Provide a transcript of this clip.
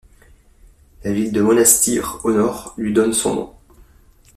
La ville de Monastir, au nord, lui donne son nom.